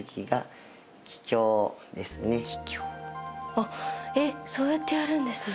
あっえっそうやってやるんですね。